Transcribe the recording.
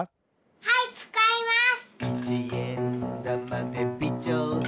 はいつかいます。